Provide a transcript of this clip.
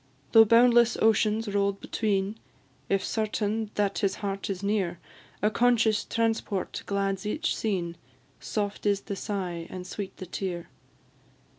Though boundless oceans roll'd between, If certain that his heart is near, A conscious transport glads each scene, Soft is the sigh and sweet the tear.